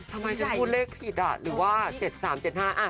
ทำไมฉันพูดเลขผิดอ่ะหรือว่า๗๓๗๕อ่ะ